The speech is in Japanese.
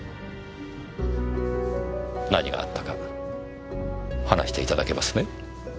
何があったか話して頂けますね？